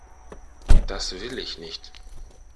Das will ich nicht!